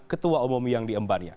ketua umum yang diembarnya